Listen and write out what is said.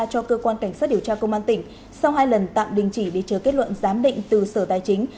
cho cơ quan cảnh sát điều tra công an tỉnh sau hai lần tạm đình chỉ để chờ kết luận giám định từ sở tài chính